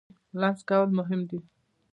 لمس کول مهم دی.